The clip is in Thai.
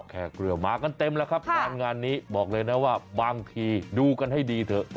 แค่เกลือมากันเต็มแล้วครับงานนี้บอกเลยนะว่าบางทีดูกันให้ดีเถอะ